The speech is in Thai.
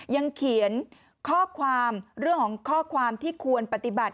ยังเขียนข้อความเรื่องของข้อความที่ควรปฏิบัติ